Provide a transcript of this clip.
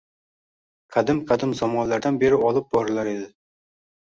Qadim-qadim zamonlardan beri olib borilar edi.